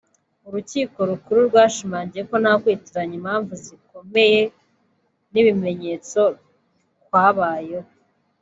Urukiko Rukuru rwashimangiye ko nta kwitiranya impamvu zikomeye n’ibimenyetso kwabayeho